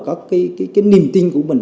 có cái niềm tin của mình